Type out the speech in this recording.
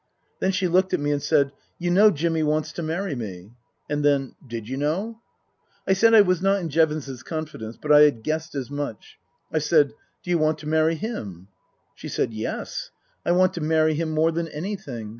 Then she looked at me and said, "You know Jimmy wants to marry me." And then, " Did you know ?" I said I was not in Jevons's confidence, but I had guessed as much. I said, " Do you want to marry him ?" She said, " Yes. I want to marry him more than any thing.